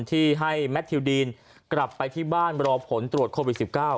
ที่ให้แมททิวดีนกลับไปที่บ้านรอผลตรวจโควิด๑๙